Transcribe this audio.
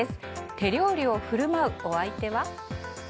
手料理を振る舞うお相手は？